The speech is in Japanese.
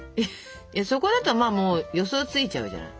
そこだともう予想ついちゃうじゃない。